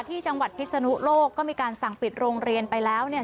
ที่จังหวัดพิศนุโลกก็มีการสั่งปิดโรงเรียนไปแล้วเนี่ย